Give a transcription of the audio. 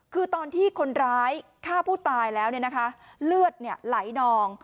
คือตอนที่คนร้ายฆ่าผู้ตายแล้วเนี่ยนะคะเลือดเนี่ยไหลนอง